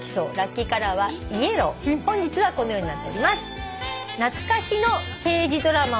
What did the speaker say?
本日はこのようになっております。